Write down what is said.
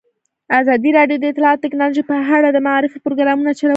ازادي راډیو د اطلاعاتی تکنالوژي په اړه د معارفې پروګرامونه چلولي.